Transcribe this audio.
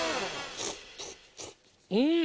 うん！